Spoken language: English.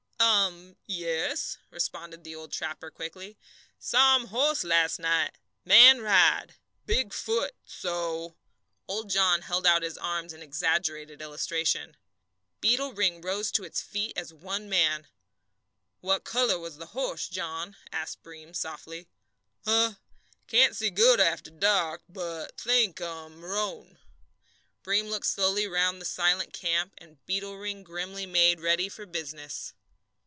"Um, yes," responded the old trapper, quickly. "Saw um horse las' night man ride big foot so." Old John held out his arms in exaggerated illustration. Beetle Ring rose to its feet as one man. "What colour was the horse, John?" asked Breem softly. "Huh! Can't see good after dark, but think um roan." Breem looked slowly round the silent camp, and Beetle Ring grimly made ready for business.